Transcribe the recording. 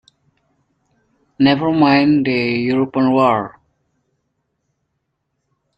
Never mind the European war!